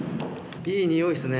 いい匂いですね。